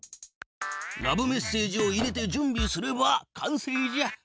ラブメッセージを入れてじゅんびすれば完成じゃ。